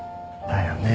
だよね。